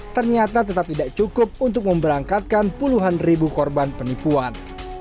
ternyata tetap tidak cukup untuk memberangkatkan puluhan ribu korban penipuan